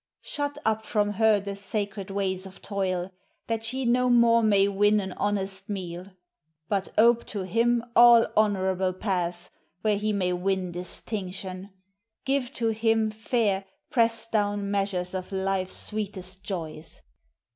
Shut up from her the sacred ways of toil, That she no more may win an honest meal; But ope to him all honorable paths Where he may win distinction; give to him Fair, pressed down measures of life's sweetest joys.